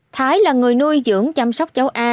thái là người nuôi dưỡng chăm sóc châu a